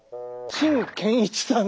陳建一さん。